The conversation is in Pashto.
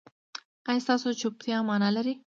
ایا ستاسو چوپتیا معنی لري؟